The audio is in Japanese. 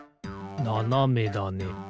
ななめだね。